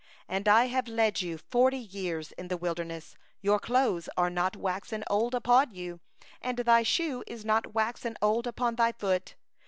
4And I have led you forty years in the wilderness; your clothes are not waxen old upon you, and thy shoe is not waxen old upon thy foot.